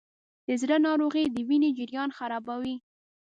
د زړه ناروغۍ د وینې جریان خرابوي.